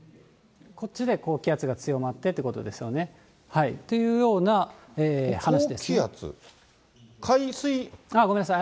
こっちで高気圧が強まってっていうことですよね。というような話ですね。